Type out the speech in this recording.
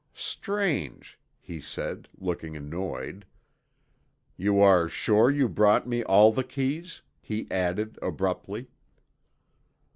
"Strange," he said, looking annoyed. "You are sure you brought me all the keys?" he added abruptly.